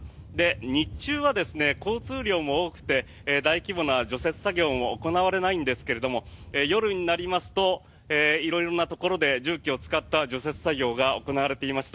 日中は交通量も多くて大規模な除雪作業も行われないんですが夜になりますと色々なところで重機を使った除雪作業が行われていました。